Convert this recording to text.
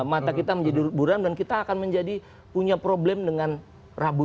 mata kita menjadi buram dan kita akan menjadi punya problem dengan rabu